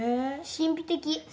神秘的！